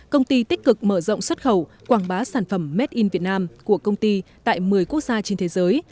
công ty tích cực mở rộng xuất khẩu quảng bá sản phẩm made in vietnam của công ty tại một mươi quốc gia trên thế giới